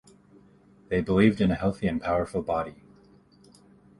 They believed in a healthy and powerful body.